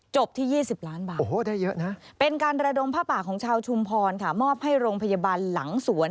ที่๒๐ล้านบาทโอ้โหได้เยอะนะเป็นการระดมผ้าป่าของชาวชุมพรค่ะมอบให้โรงพยาบาลหลังสวน